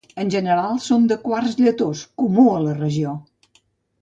En general són de quars lletós comú a la regió.